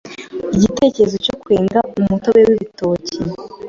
Igitekerezo cyo kwenga umutobe w’ibitoki,